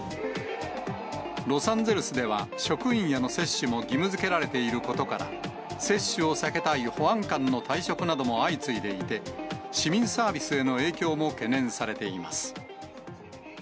ロサンゼルスでは、職員への接種も義務づけられていることから、接種を避けたい保安官の退職なども相次いでいて、市民サービスへの影響も懸念されています。